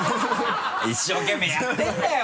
一生懸命やってるんだよ